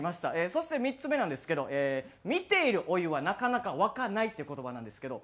そして３つ目なんですけど「見ているお湯はなかなか沸かない」っていう言葉なんですけど。